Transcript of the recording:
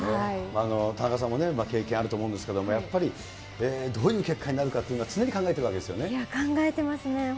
田中さんも経験あると思うんですけど、やっぱり、どういう結果になるかというのは、常に考えいや、考えてますね。